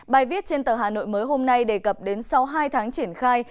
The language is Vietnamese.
bài viết trên tờ hà nội mới hôm nay đề cập đến sau hai tháng triển khai